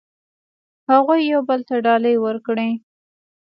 هغوی یو بل ته ډالۍ ورکړې.